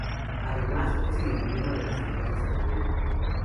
Además, es el emblema de la cerveza San Miguel.